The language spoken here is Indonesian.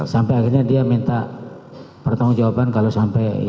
sampai akhirnya dia minta pertanggung jawaban kalau sampai